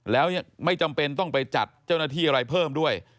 แล้วยังไม่จำเป็นต้องไปจัดเจ้าหน้าที่อะไรเพิ่มด้วย